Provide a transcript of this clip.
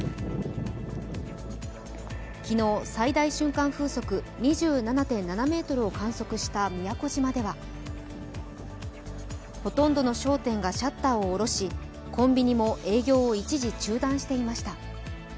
昨日、最大瞬間風速２７．７メートルを観測した宮古島では、ほとんどの商店がシャッターを下ろしコンビニも営業を一時中断していました。